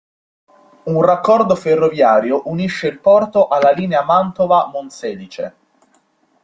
Un raccordo ferroviario unisce il porto alla linea Mantova-Monselice.